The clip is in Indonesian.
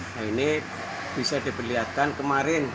nah ini bisa diperlihatkan kemarin